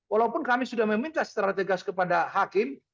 walaupun kami sudah meminta strategas kepada hakim